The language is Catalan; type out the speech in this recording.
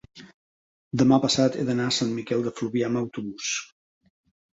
demà passat he d'anar a Sant Miquel de Fluvià amb autobús.